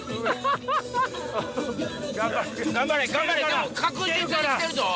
でも確実に来てるぞ。